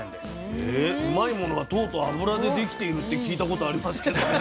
うまいものは糖と脂でできているって聞いたことありますけどね。